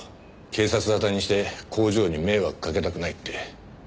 警察沙汰にして工場に迷惑かけたくないって。